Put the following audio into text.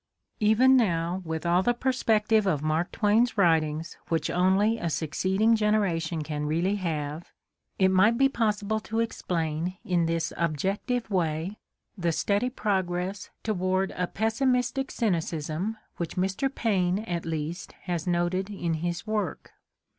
Even now, with all the perspective of Mark Twain's writings which only a succeeding generation can really have, it might be possible to explain in this objective way the steady progress toward a pessimistic cynicism Mark Twain's Despair 7 which Mr. Paine, at least, has noted in his work.